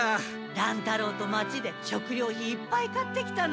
乱太郎と町で食りょう品いっぱい買ってきたの。